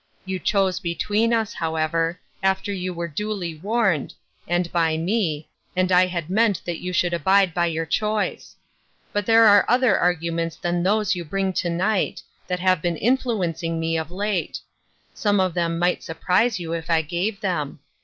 You chose between us, however, after you were duly warned, and by me, and I had meant that you should abide by your choice ; but there are other argu ments than those you bring to night, that have been influencing me of late ; some of them might surprise you if I gave them.